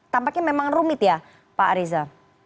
tampaknya memang rumit ya pak ariza